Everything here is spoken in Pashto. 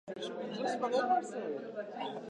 د خپلو افکارو په بیان کې ازاد واوسو.